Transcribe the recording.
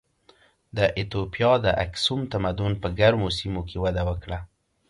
د ایتوپیا اکسوم تمدن په ګرمو سیمو کې وده وکړه.